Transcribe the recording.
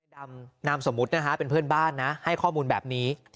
น้ำสมมติเป็นเพื่อนบ้านให้ข้อมูลแบบนี้